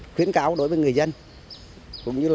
khuyến cáo đối với người dân